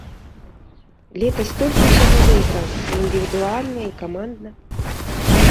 Летась столькі ўсяго выйграў і індывідуальна, і камандна.